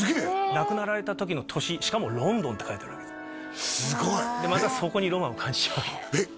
亡くなられた時の年しかもロンドンって書いてあるすごいまたそこにロマンを感じちゃうわけえっ？